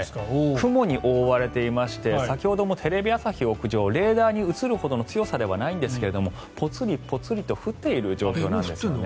雲に覆われていまして先ほどもテレビ朝日屋上レーダーに映るほどの強さではないんですがぽつりぽつりと降っている状況なんですよね。